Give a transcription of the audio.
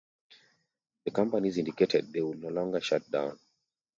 The companies indicated they would no longer shut down.